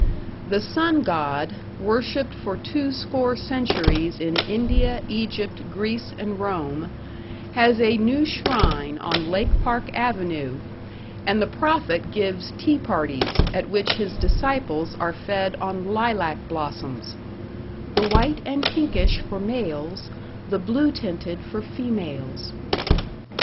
The Sun God, worshipped for two score centuries in India, Egypt, Greece and Rome, has a new shrine on Lake Park Avenue, and the prophet gives tea parties at which his disciples are fed on lilac blossoms "the white and pinkish for males, the blue tinted for females".